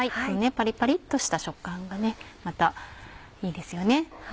パリパリっとした食感がまたいいですよね。